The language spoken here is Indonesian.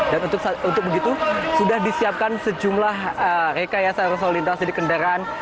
dan untuk begitu sudah disiapkan sejumlah rekayasa lalu lintas dari kendaraan